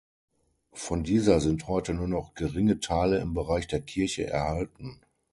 Von dieser sind heute nur noch geringe Teile im Bereich der Kirche erhalten.